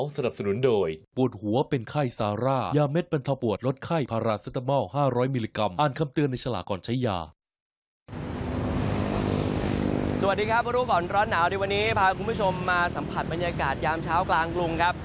สวัสดีครับรู้ก่อนร้อนหนาวในวันนี้พาคุณผู้ชมมาสัมผัสบรรยากาศยามเช้ากลางกรุงครับ